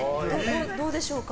どうでしょうか？